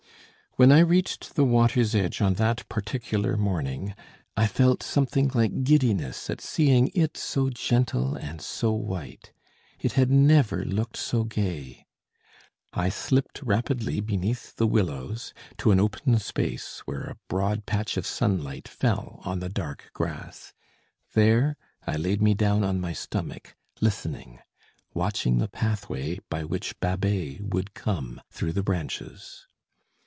When I reached the water's edge on that particular morning, I felt something like giddiness at seeing it so gentle and so white. It had never looked so gay. I slipped rapidly beneath the willows, to an open space where a broad patch of sunlight fell on the dark grass. There I laid me down on my stomach, listening, watching the pathway by which Babet would come, through the branches.